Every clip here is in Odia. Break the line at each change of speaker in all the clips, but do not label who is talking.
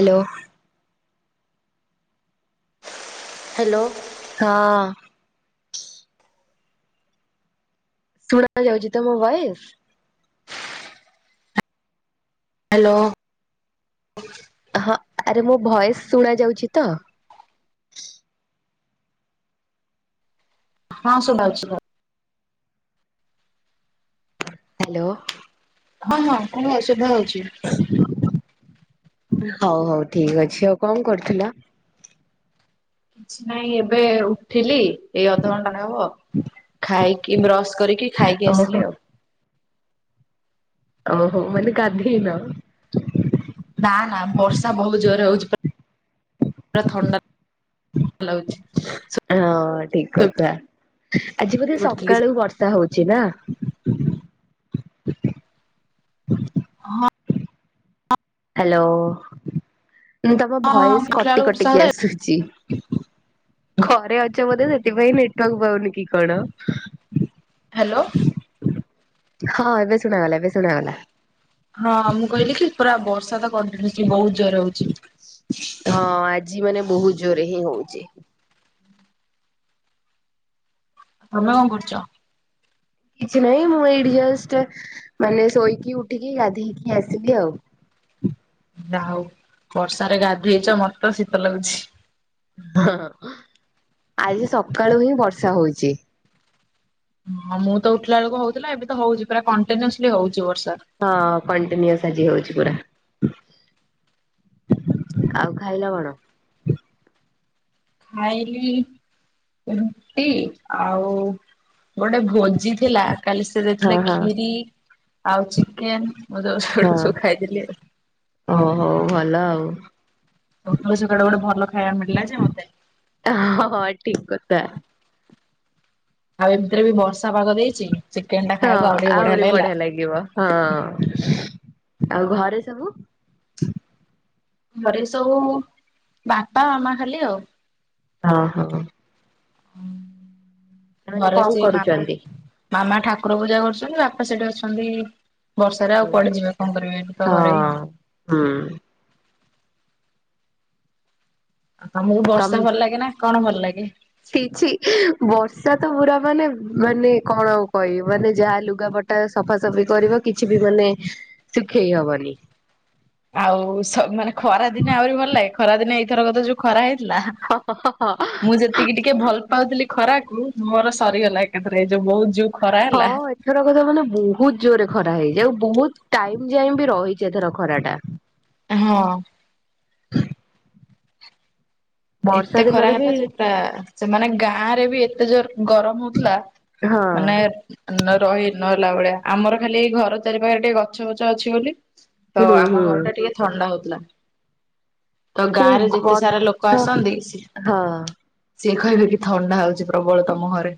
ହ୍ୟାଲୋ
ହ୍ୟାଲୋ
ହଁ ଶୁଣା ଯାଉଛି ତ ମୋ ଭଏସ୍?
ହ୍ୟାଲୋ
ହଁ, ଆରେ ମୋ ଭଏସ୍ ଶୁଣାଯାଉଛି ତ?
ହଁ ଶୁଭା ହଉଛି କୁହ।
ହାଲୋ।
ହଁ, ହଁ କୁହ ଶୁଭା ହଉଛି।
ହଉ ହଉ ଠିକ୍ ଅଛି ଆଉ କଣ କରୁଥିଲ?
କିଛି ନାଇଁ ଏବେ ଉଠିଲି। ଏଇ ଅଧଘଣ୍ଟାଟେ ହବ, ଖାଇକି ବ୍ରସ୍ କରିକି ଖାଇକି
ଓହୋ
ଆସିଲି ଆଉ।
ଓହୋ ମାନେ ଗାଧେଇନ?
ନାଁ ନା ବର୍ଷା ବହୁତ ଜୋରେ ହଉଛି, ପୁରା ଥଣ୍ଡା ଲାଗୁଛି।
ହଁ ଠିକ୍ କଥା, ଆଜି ବୋଧେ
ପଡିଥିଲି
ସକାଳୁ ବର୍ଷା୍ ହର୍ଷା ହଉଛି ନା?
ହଁ
ହ୍ୟାଲୋ, ମୁଁ ତମ ଭଏସ୍
ହଁ ଦେଖିଲା
କଟି
ବେଳକୁ ବର୍ଷା
କଟିକି
ହଉଥାଏ
ଆସୁଛି। ଘରେ ଅଛ ବୋଧେ ସେଥିପାଇଁ ନେଟୱାର୍କ ପାଉନି କି କଣ?
ହ୍ୟାଲୋ।
ହଁ ଏବେ ଶୁଣାଗଲା ଏବେ ଶୁଣାଗଲା।
ହଁ ମୁଁ କହିଲି କି ପୁରା ବର୍ଷା ତ କଣ୍ଟ୍ୟୁନିସ୍ଲି ବହୁତ ଜରେ ହଉଛି।
ହଁ ଆଜି ମାନେ ବହୁତ ଜୋରେ ହିଁ ହଉଛି।
ତମେ କଣ କରୁଛ?
କିଛି ନାହିଁ ମୁଁ ଏଇଠି ଜଷ୍ଟ ମାନେ ଶୋଇକି ଉଠିକି ଗାଧେଇକି ଆସିଲି ଆଉ।
ଯାହଉ ବର୍ଷାରେ ଗାଧେଇଛ ମତେ ତ ଶୀତ ଲାଗୁଛି।
ହଁ, ହଁ ଆଜି ସକାଳୁ ହିଁ ବର୍ଷା ହଉଛି।
ହଁ ମୁଁ ତ ଉଠିଲା ବେଳକୁ ହଉଥିଲା ଏବେ ତ ହଉଛି ପୁରା କଣ୍ଟିନ୍ୟୁସଲି ହଉଛି ବର୍ଷା।
ହଁ କଣ୍ଟିନ୍ୟୁସ୍ ଆଜି ହଉଛି ପୁରା। ଆଉ ଖାଇଲ କଣ?
ଖାଇଲିି ରୁଟି ଆଉ ଗୋଟେ ଭୋଜି ଥିଲା କାଲି ସେ
ହଁ
ଦେଇଥିଲା
ହଁ
କ୍ଷୀରି ଆଉ ଚିକେନ୍ ମୁଁ [unintelligible]
ହଁ
ଏଗୁଡ଼ା ସବୁ ଖାଇଦେଲି ଆଉ।
ଓ ହଉ ଭଲ ଆଉ।
ସକାଳୁ ସକାଳୁ ଗୋଟେ ଭଲ ଖାଇବା ମିଳିଲା ଯେ ମତେ।
ହଁ ହଁ ଠିକ୍ କଥା।
ଆଉ ଏମିତିରେ ବି ବର୍ଷାପାଗ ଦେଇଛି ଚିକେନଟା ଖାଇବାକୁ ଆଉ ଟିକେ ବଢିଆ ଲାଗିଲା।
ଗିବ ହଁ, ଆଉ ଘରେ ସବୁ?
ଘରେ ସବୁ ବାପା ମାମା ଖାଲି ଆଉ।
ହଁ ହଁ।
ହୁଁ
ମାନେ
ଘରେ
କଣ
ସେ ମାମା।
କରୁଛନ୍ତି?
ମାମା ଠାକୁର ପୂଜା କରୁଛନ୍ତି ବାପା ସେଠି ଅଛନ୍ତି। ବର୍ଷାରେ ଆଉ
ହଁ
କୁଆଡେଯିବେ କଣ କରିବେ ଏଠି ତ ଘରଇ ଆଉ।
ହୁଁ।
ଆଉ ତମକୁ ବର୍ଷା ଭଲ ଲାଗେ ନା କଣ ଭଲ ଲାଗେ?
ଛିଛି ବର୍ଷା ତ ପୁରା ମାନେ ମାନେ କଣ ଆଉ କହିବି ମାନେ ଯାହା ଲୁଗାପଟା ଟା ସଫାସଫି କରିବ କିଛି ବି ମାନେ ଶୁଖେଇ ହବନି।
ଆଉ ସ ମାନେ ଖରା ଦିନେ ଆହୁରି ଭଲ ଲାଗେ ଖରା ଦିନେ ଏଇଥର କତ ଯୋଉ ଖରା ହେଇଥିଲା ମୁଁ ଯେ ଟିକି ଟିକେ ଭଲ ପାଉଥିଲି ଖରାକୁ ମୋର ସରୀଗଲା ଏକାଥରେ ଏ ଯୋଉ ବହୁତୁ
ହଁ। ଏଥର କଥା ମାନେ ବହୁତ ଜୋରେ ଖରା ହେଇଛି ଆଉ ବହୁତ ଟାଇମ୍ ଯାଏଁ ବି ରହିଛି ଏଥର ଖରା ଟା।
ହଁ।
ବର୍ଷା
ଏତେ ଖରା
ଦିନରେ ବି
ହେଲା ଯେ ପୁରା ସେମାନେ ଗାଁ ରେ ବି ଏତେ ଜୋରେ ଗରମ ହଉଥିଲା।
ହଁ
ମାନେ ନ ରହି ନହେଲା ଭଳିଆ ଆମର ଖାଲି ଏଇ ଘର ଚାରି ପାଖରେ ଟିକେ ଗଛ ବଛ ଅଛି ବୋଲି। ତ
ହୁଁ
ଆମ
ହୁଁ
ଘର ଟା ଟିକେ ଥଣ୍ଡା ହୋଉଥିଲା ତ ଗାଁ
ସେଇ
ରେ ଯେତେ ସାରା ଲୋ
ଗଛ
କ ଆସନ୍ତି ସିଏ
ହଁ
ସିଏ କହିବେ କି ଥଣ୍ଡା ହୋଉଛି ପ୍ରବଳ ତମ ଘରେ।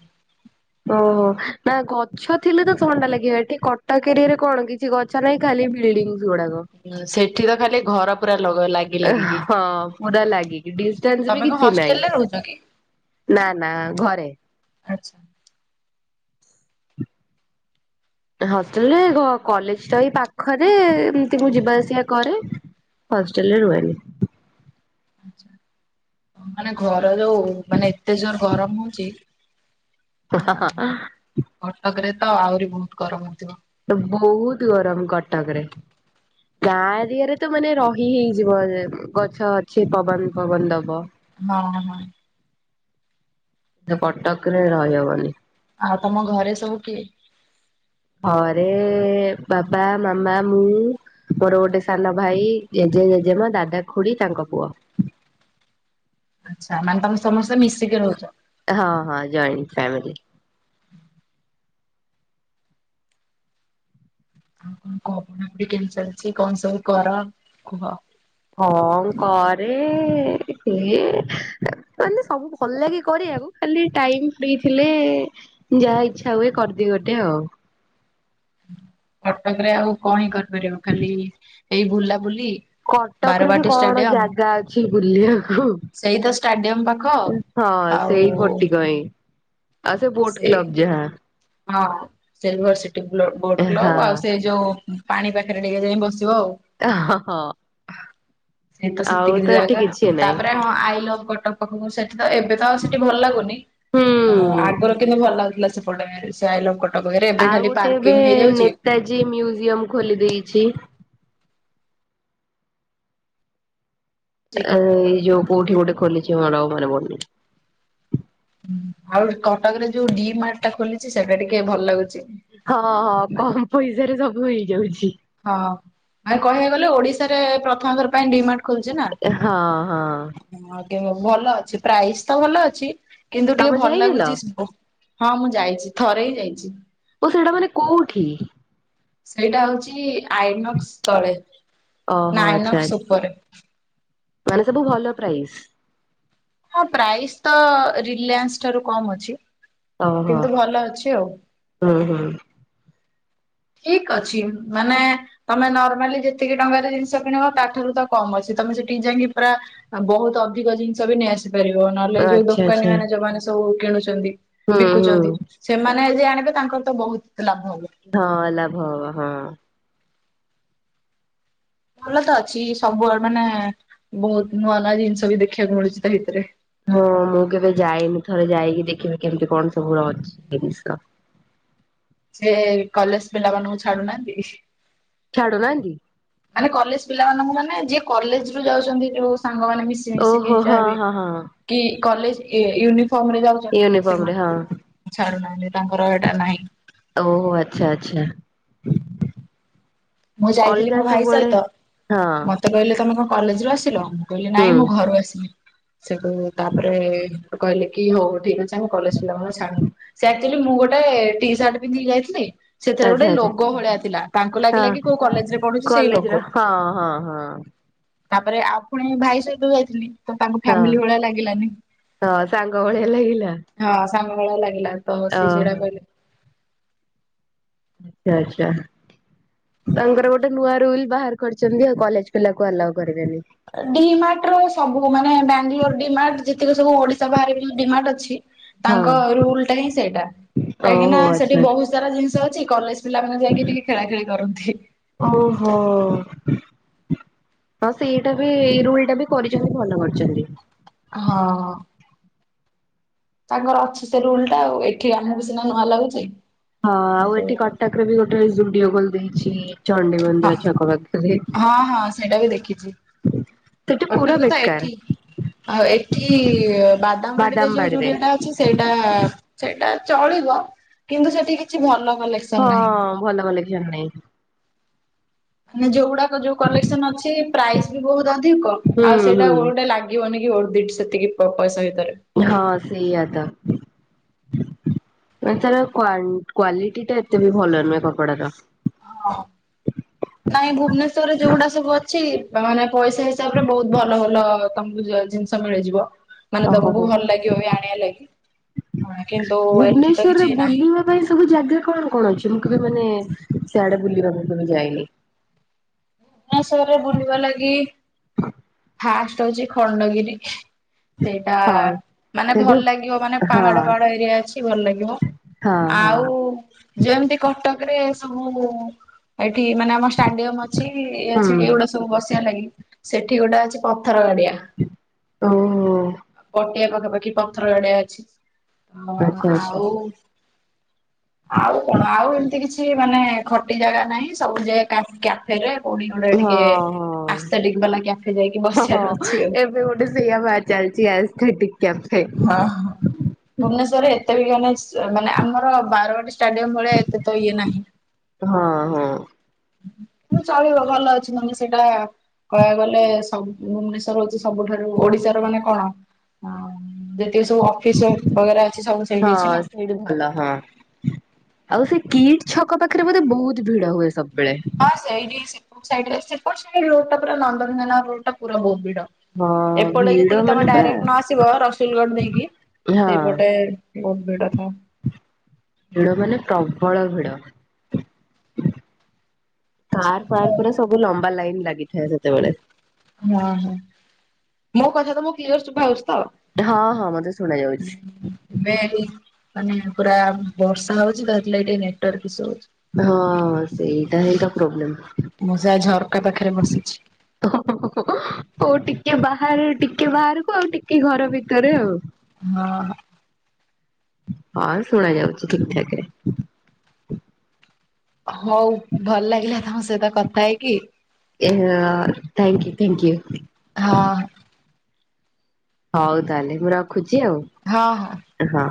ଓହୋ ନା ଗଛ ଥିଲେ ତ ଥଣ୍ଡା ଲାଗିବ ଏଠି କଟକିରିରେ କଣ କି କିଛି ଗଛ ନାଇଁ ଖାଲି ବିଲ୍‌ଡିଙ୍ଗ ଗୁଡାକ।
ସେଠି ତ ଖାଲି ଘର ପୁରା ଲଗ ଲାଗି ଲାଗିକି
ହଁ ପୁରା ଲାଗିକି ଡ଼ିସ୍।
ତମେ
[unintelligible]
କଣ
କିଛି ନାହିଁ
ହଷ୍ଟେଲରେ ରହୁଛ କି?
ନା ନା ଘରେ।
ଆଚ୍ଛା।
ହଷ୍ଟେଲ୍ ରେ କଲେଜ୍‌ ତ ଏଇ ପାଖରେ ଏମିତି ମୁଁ ଯିବା ଆସିବା କରେ। ହଷ୍ଟେଲ୍ ରେ ରୁହେନି।
ଆଚ୍ଛା ମାନେ ଘର ଯୋଉ ମାନେ ଏତେ ଜୋରେ ଗରମ ହଉଛି। ମାନେ କଟକ ରେ ତ ଆହୁରି ବହୁତ ଗରମ ହୋଉଥିବ।
ତ ବହୁତ ଗରମ୍ କଟକ ରେ। ଗାଁ ଦିଗରେ ତ ମାନେ ରହି ହେଇଯିବ ଗଛ ଅଛି ପବନ ପବନ ଦବ।
ନଁ ନଁ।
ଯୋଉ କଟକ ରେ ରହିହବନି।
ଆଉ ତମ ଘରେ ସବୁ କିଏ?
ହଁରେ ବାପା ମାମା ମୁଁ। ମୋର ଗୋଟେ ସାନ ଭାଇ ଜେଜେ ଜେଜେମା ଦାଦା ଖୁଡି ତାଙ୍କ ପୁଅ।
ଆଚ୍ଛା ମାନେ ତମେ ସମସ୍ତେ ମିଶିକି ରହୁଛ।
ହଁ ହଁ ଜଏଣ୍ଟ ଫ୍ୟାମିଲି।
[unintelligible] କେମିତି ଚାଲିଚି କଣ ସବୁ କର କୁହ?
ହଁ କରେ ଇଏମାନେ ସବୁ ଭଲ ଲାଗେ କରିବାକୁ। ଖାଲି ଟାଇମ୍ ଫ୍ରି ଥିଲେ ଯାହା ଇଚ୍ଛା ହୁଏ କରିଦିଏ ଗୋଟେ ଆଉ।
କଟକ ରେ ଆଉ କଣ ହିଁ କରିପାରିବ ଖାଲି ଏଇ ବୁଲାବୁଲି।
କଟକରେ ବି
ବାରବାଟୀ
କଣ
ଷ୍ଟାଡିୟମ
ଜାଗା ଅଛି ବୁଲିବାକୁ?
ସେଇ ତ ଷ୍ଟାଡିୟମ ପାଖ
ହଁ
ଆଉ
ସେଇ ଗୋଟିକ ହିଁ ଆଉ ସେ ବୋଟ କ୍ଲବ ଯାହା।
ହଁ ସିଲ୍ ଭର ସିଟି ବ୍ଲୋ ବୋଟ୍ କ୍ଲବ ଆଉ ସେ ଯୋ ପାଣି ପାଖରେ ଟିକେ ଯାଇ ବସିବ ଆଉ।
ହଁ ହଁ
ସେ ତ
ଆଉ
ସେତିକି ର
ତ ଏଠି
ଜାଗା
କିଛି ନାହିଁ
ତାପରେ ଆମ ଆଇଲଭ କଟକ। ପାଖକୁ ସେଠି ତ ଏବେ ତ ଆଉ ସେଠି ଭଲ ଲାଗୁନି
ହୁଁ।
ଆଗରୁ କିନ୍ତୁ ଭଲ ଲାଗୁଥିଲା ସେପଟେ। ସେ ଆଇ ଲଭ କଟକ ପାଖରେ ଏବେ ଖାଲି ପାର୍କିଂ ହେଇଯାଉଚି।
ତାଜି ମ୍ୟୁଜିୟମ୍ ଖୋଲି ଦେଇଛି। ଆଁ ଏ ଯୋଉ କଉଠି ଗୋଟେ ଖୋଲିଚି ମୋର ଆଉ ମନେ ପଡୁନି।
ଆଉ କଟକରେ ଯୋଉ ଡି ମାର୍ଟ ଟା ଖୋଲିଚି ସେଟା ଟିକେ ଭଲ ଲାଗୁଚି।
ହଁ ହଁ କମ୍ ପଇସାରେ ସବୁ ହେଇଯାଉଚି।
ହଁ ଆଉ କହିବା ଗଲେ ଓଡ଼ିଶା ରେ ପ୍ରଥମଥର ପାଇଁ ଡିମାର୍ଟ
ହଁ ହଁ।
ହଁ କେ ଭଲ ଅଛି ପ୍ରାଇସ୍ ତ ଭଲ ଅଛି କିନ୍ତୁ ଟିକେ
ତମେ
ଭଲ
ଯାଇଥିଲ?
ଲାଗୁଚି ସୁ ହଁ ମୁଁ ଯାଇଚି ଥରେ ହିଁ ଯାଇଚି।
ଓ ସେଇଟା ମାନେ କୋଉଠି?
ସେଇଟା ହଉଚି ଆଇନକ୍ସ ତଳେ
ଓହୋ
ନା
ଆଚ୍ଛା
ଆଇନକ୍ସ
ଆଚ୍ଛା
ଉପରେ।
ମାନେ ସବୁ ଭଲ ପ୍ରାଇସ୍।
ହଁ ପ୍ରାଇସ୍ ତ ରିଲିୟାନ୍ସ ଠାରୁ କମ୍ ଅଛି।
ଓହୋ
କିନ୍ତୁ ଭଲ ଅଛି ଆଉ।
ହୁଁ ହୁଁ।
ଠିକ୍ ଅଛି ମାନେ ତମେ ନର୍ମାଲି ଯେତିକି ଟଙ୍କାରେ ଜିନିଷ କିଣିବ ତା ଠାରୁ ତ କମ୍ ଅଛି ତମେ ସେଠି ଯାଇକି ପୁରା ଆଉ ବହୁତ୍ ଅଧିକ ଜିନିଷ ବି ନେଇଆସି ପାରିବ ନହେଲେ ଯୋଉ
ଆଚ୍ଛା ଆଚ୍ଛା
ଦୋକାନୀମାନେ ଯୋଉମାନେ ସବୁ କିଣୁଚନ୍ତି
ହୁଁ ହୁଁ।
ବିକୁଚନ୍ତି। ସେମାନେ ଯିଏ ଆଣିବେ ତାଙ୍କର ତ ବହୁତ୍ ଲାଭ ହବ।
ହଁ ଲାଭ ହବ ହଁ।
ଭଲ ତ ଅଛି ସବୁଆଡ଼େ ମାନେ ବହୁତ୍ ନୂଆ ନୂଆ ଜିନିଷ ବି ଦେଖିବାକୁ ମିଳୁଚି ତା ଭିତରେ।
ହଁ ମୁଁ କେବେ ଯାଇନି ଥରେ ଯାଇକି ଦେଖିବି କେମିତି କଣ ସବୁ ର ଅଛି ଜିନିଷ।
ସେ କଲେଜ ପିଲାମାନଙ୍କୁ ଛାଡୁନାହାନ୍ତି କି?
ଛାଡୁନାହାନ୍ତି?
ମାନେ କଲେଜ ପିଲା ମାନଙ୍କୁ ମାନେ ଯିଏ କଲେଜ ରୁ ଯାଉଛନ୍ତି ଯୋଉ ସାଙ୍ଗମାନେ ମିଶି ମିଶିକି
ଓହୋ ହଁ
ଯାହାବି
ହଁ ହଁ।
କି କଲେଜ ୟୁନିଫର୍ମ ରେ ଯାଉ
ୟୁନିଫର୍ମ ରେ ହଁ।
ଛାଡୁ ନାହାନ୍ତି ତାଙ୍କର ହେଇଟା ନାହିଁ।
ଆଉ ଆଚ୍ଛା ଆଚ୍ଛା।
ମୁଁ ଯାଇଥିଲି
ଅଲଗା
ମୋ ଭାଇ
ସବୁଆଡେ
ସହିତ
ହଁ
ମ ତେ କହିଲେ ତମେ କଣ କଲେଜରୁ ଆସିଲ ମୁଁ କହିଲି ନାଇଁ
ହୁଁ
ମୁଁ ଘରୁ ଆସିଲି। ସେଠୁ ତାପରେ କହିଲେ କି ହଉ ହଉ ଠିକ୍ ଅଛି ଆମେ କଲେଜ ପିଲାମାନଙ୍କୁ ଛାଡୁନୁ [unintelligible] ଆକଚ୍ୟୁଲି ମୁଁ ଗୋଟେ ଟି ସାର୍ଟ ପିନ୍ଧିକି ଯାଇଥିଲି ସେଥିରେ ଗୋଟେ
ଆଚ୍ଛା ଆଚ୍ଛା
ଲୋଗ ଭଳିଆ ଥିଲା ତାଙ୍କୁ ଲାଗିଲା
ହଁ
କି କଲେଜରେ ପଢୁଚି ସେଇ
କଲେଜ ର
ଲୋଗ।
ହଁ ହଁ ହଁ।
ତାପରେ ଆଉ ପୁଣି ଭାଇ ସହିତ ଯାଇଥିଲି। ତ ତାଙ୍କୁ
ହଁ
ଫ୍ୟାମିଲି ଭଳିଆ ଲାଗିଲାନି।
ହଁ ସାଙ୍ଗ ଭଳିଆ ଲାଗିଲା
ହଁ ସାଙ୍ଗ ଭଳିଆ ଲାଗିଲା ତ ସିଏ ସେଇଟା
ଓହୋ
କହିଲେ।
ଚା ଚା। ତାଙ୍କର ଗୋଟେ ନୂଆ ରୁଲ୍ ବାହାର କରିଛନ୍ତି ଆଉ କଲେଜ ପିଲାକୁ ଆଲାଉ କରିବେନି।
ଡି ମାର୍ଟ ର ସବୁ ମାନେ ବାଙ୍ଗାଲୋର ଡିମାର୍ଟ ଯେତିକି ସବୁ ଓଡ଼ିଶା ବାହାରେ ଯୋଉ ଡିମାର୍ଟ ଅଛି।
ହଁ
ତାଙ୍କ ରୁଲ୍ ଟା ହିଁ ସେଇଟା
ଓହୋ
କାହିଁକିନା ସେଠି
ଆଚ୍ଛା।
ବହୁତ୍ ସାରା ଜିନିଷ ଅଛି କଲେଜ ପିଲାମାନେ ଯାଇକି ଟିକେ ଖେଳା ଖେଳି କରନ୍ତି।
ଓ ହୋ। ହଁ, ସେଇଟା ବି ଏଇ ରୁଲ୍ ଟା ବି କରିଚନ୍ତି ଭଲ କରିଚନ୍ତି।
ହଁ, ତାଙ୍କର ଅଛି ସେ ରୁଲ୍ ଟା ଆଉ। ଏ ଏଠି
ଆ
ଆମକୁ ସିନା ନୂଆ ଲାଗୁଚି। [unintelligible]
ଫିର୍ ବି ଗୋଟେ ଜୁଡିଓ ଖୋଲି ଦେଇଛିଁ। ଚଣ୍ଡି
ହଁ
ମନ୍ଦିର ଛକ ପାଖରେ।
ହଁ ହଁ ସେଇଟା ବି ଦେଖିଛି
ସେଠି ପୁରା
କଟକରେ ତ
ବେକାର।
ଏଠି ଆଉ ଏଠି-ଇ ବାଦାମବାଡିରେ
ବାଦାମ
ଯୋଉ
ବାଡିରେ
ଯୁଡିଓ ଟା ଅ ଛି ସେଇଟା-ଆ ସେଇଟା ଚଳିବ, କିନ୍ତୁ ସେଠି କିଛି ଭଲ କଲେକ୍ସ୍
ହଁ-ଅଁ ଭଲ କଲେକ୍ସନ୍ ନାହିଁ।
ମାନେ ଯୋଉଗୁଡାକ ଯୋଉ କଲେକ୍ସନ୍ ଅଛି ପ୍ରାଇସ୍ ବି ବହୁତ ଅଧିକ।
ହୁଁ
ଆଉ ସେଇଟା
ହୁଁ
ଗୋଡେ ଲାଗ୍ ଗି ବନିକି [unintelligible] ସେତିକି ପ-ପଇସା ଭିତରେ।
ହଁ, ସେଇଆ ତ! ମାନେ ତାର କ୍ଵାନ୍ କ୍ଵାଲିଟି ଟା ଏତେ ବି ଭଲ ନୁହେଁ କପଡାର।
[inaudible] ନାଇଁ ଭୁବନେଶ୍ୱର ରେ ଯୋଉଗୁଡା ସବୁ ଅଛି, ମାନେ ପଇସା ହିସାବ ରେ ବହୁତ୍ ଭଲ ଭଲ ତମକୁ ଯୟ ଜିନ୍ ସବ୍ ମିଳି ଯିବ। ମାନେ
ଓହୋ
ତମକୁ
ହୋ
ଭଲ ଲାଗିବ ବି ଆଣିଆ ଲାଗି। କିନ୍ତୁ ଏଠି ତ କିଛି ନାହିଁ।
ମ ପାଇଁ ସବୁ ଜାଗା କଣ କଣ ଅଛି, ମୁଁ କେବେ ମାନେ ସିଆଡେ ବୁଲିବାକୁ କେବେ ଯାଇନି?
ହଁ, ସେଆରେ ବୁଲିବା ଲାଗି ଫାଷ୍ଟ ହଉଚି ଖଣ୍ଡଗିରି। ସେଇଟା
ହଁ।
ମାନେ
ସେ
ଭଲ
ଯୋଉ
ଲାଗିବ ମାନେ
ହଁ
ପାହାଡ ଫାହାଡ ଏରିଆ ଅଛି, ଭଲ ଲାଗିବ।
ହଁ
ଆଉ ଯେମ୍ ତି କଟକ ରେ ସବୁ-ଉଁ ଏଠି ମାନେ ଆମ ଷ୍ଟାଡିୟମ୍ ଅଛ୍ ଛି ଇଏ
ହଁ
ଅଛି
ହୁଁ
ଏଗୁଡା ସବୁ ବସିଆ ଲାଗି। ସେଠି ଗୋଟେ ଅଛି ପଥର ଗାଡିଆ।
ଓହୋ!
ପଟିଆ ପାଖାପାଖି ପଥର ଗାଡିଆ ଅଛି। ଅଁ
ଆଚ୍ଛା
ଆଉ
ଆଚ୍ଛା
ଆଉ କଣ ଆଉ ଏମିତି କିଛି ମାନେ ଖଟି ଜାଗା ନାହିଁ, ସବୁ ଯେ କା କ୍ୟା ଫେରେ କଉଠି ଗୋଡ଼େ ଟିକେ ଆସ୍ତେଟିକ୍ ବାଲା କ୍ୟା
ହ, ହ ଏବେ ଗୋଟେ ସେଇଆ ବା ଚାଲିଛି ଆସ୍ଥେଟିକ୍ କ୍ୟାଫେ।
ହଁ ହ। ଭୁବନେଶ୍ୱରରେ ଏତେ ବି ମାନେ ଏସ୍ ମାନେ ଆମର ବାରବାଟୀ ଷ୍ଟାଡିୟମ୍ ଭଳିଆ ଏତେ ତ ଇଏ ନାହିଁ।
ହଁ, ହଁ।
ହୁଁ, ଚଳିବ ଭଲ ଅଛି। ମାନେ ସେଇଟା-ଆ କହିଆ ଗଲେ ସବୁ ଭୁବନେଶ୍ୱର ହଉ ସେ ସବୁଠାରୁ ଓଡିଶାର ମାନେ କଣ, ଅଁ ଯେତିକି ସବୁ ଅଫିସ ବଗେରା ଅଛି, ସବୁ ସେଇଠି ଅଛି ନା!
ହେଇଠୁ ଭଲ, ହଁ। ଆଉ ସେ କିଟ୍ ଛକ ପାଖରେ ବୋଧେ ବହୁତ୍ ଭିଡ ହୁଏ ସବ୍ ବେଳେ!
ହଁ, ସେଇଠି ସିପୁକ୍ ସାଇଟ୍ ରେ, ସେପଟ୍ ସାଇଡ୍ ରୋଡ଼ ଟା ପୁରା ନନ୍ଦନକାନନ୍ ରୋଡ୍ ଟା ପୁରା ବହୁତ୍ ଭିଡ।
ହଁ
ଏପଟେ
ଭିଡ
ଯେତିକି
ମାନେ
ତମେ
ପୁରା
ଡାଇରେକ୍ଟ ନ ଆସିବ, ରସୁଲ୍ ଗଡ ଦେଇକି
ହଁ
ସେଇପଟେ ବହୁତ ଭିଡ଼ ଥା
ଭିଡ ମାନେ ପ୍ରବଳ ଭିଡ। କାର୍ ଫାର୍ ପୁରା
ହଁ
ସବୁ ଲମ୍ବା ଲାଇନ୍ ଲାଗିଥାଏ ସେତେବେଳେ।
ହଁ, ହଁ ମୋ କଥା ତମକୁ କ୍ଲିୟର୍ ଶୁଭାଉଚିତ!
ହଁ, ହଁ ମତେ ଶୁଣା ଯାଉଛି।
ବେରି ମାନେ ପୁରା ବର୍ଷା ହଉଛି। ତ, ହେଥିଲାଗି ନେଟ୍ଓ୍ଵାର୍କ ଇସୁ ହଉଛି।
ହଁ ସେଇଟା ହିଁ ତ ପ୍ରୋବ୍ଲେମ୍।
ମୁଁ ସେ ଝରକା ପାଖରେ ବସିଛି।
[unintelligible] କୋଉ ଟିକେ ବାହାରେ ଟିକେ ବାହାରକୁ ଆଉ ଟିକେ ଘର ଭିତରେ ଆଉ।
ହଁ।
ହଁ ଶୁଣା ଯାଉଛି ଠିକ୍ ଠାକ ରେ।
ହଉ ଭଲ ଲାଗିଲା ତୋମ ସହିତ କଥା ହେଇକି।
ଏ ଆ, ଥ୍ୟାଙ୍କ ୟୁ ଥ୍ୟାଙ୍କ ୟୁ।
ହଁ।
ହଉ ତାହେଲେ ମୁଁ ରଖୁଛି ଆଉ।
ହଁ, ହଁ।
ଏ ହଁ।